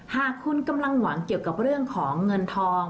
หากคุณกำลังหวังเกี่ยวกับเรื่องของเงินทอง